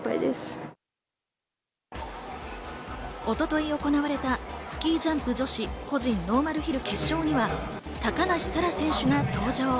一昨日行われたスキージャンプ女子個人ノーマルヒル決勝には高梨沙羅選手が登場。